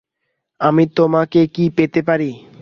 আমি তোমাকে কি পেতে পারি?